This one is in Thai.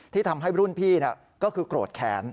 ที่ทำให้รุ่นพี่ก็คือโกรธแค้น